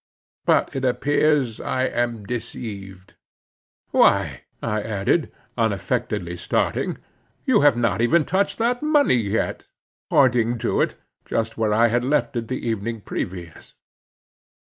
But it appears I am deceived. Why," I added, unaffectedly starting, "you have not even touched that money yet," pointing to it, just where I had left it the evening previous.